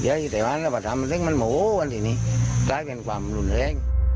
อีกต่อไปที่นี่ทีนี่